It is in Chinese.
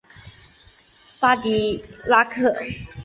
萨迪拉克。